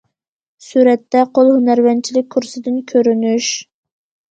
سۈرەتتە: قول ھۈنەرۋەنچىلىك كۇرسىدىن كۆرۈنۈش.